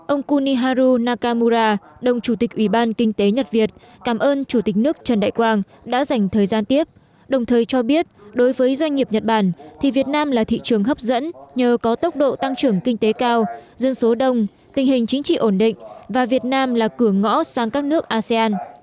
ông kunihau nakamura đồng chủ tịch ủy ban kinh tế nhật việt cảm ơn chủ tịch nước trần đại quang đã dành thời gian tiếp đồng thời cho biết đối với doanh nghiệp nhật bản thì việt nam là thị trường hấp dẫn nhờ có tốc độ tăng trưởng kinh tế cao dân số đông tình hình chính trị ổn định và việt nam là cửa ngõ sang các nước asean